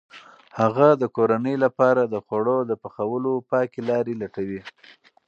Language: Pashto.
هغه د کورنۍ لپاره د خوړو د پخولو پاکې لارې لټوي.